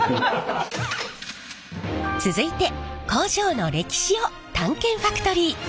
続いて工場の歴史を探検ファクトリー！